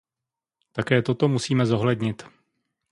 Také toto musíme zohlednit.